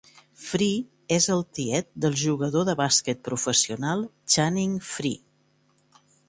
Frye és el tiet del jugador de bàsquet professional Channing Frye.